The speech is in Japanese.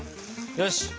よし！